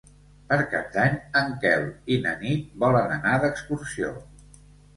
Per Cap d'Any en Quel i na Nit volen anar d'excursió.